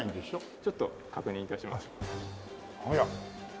ちょっと確認致します。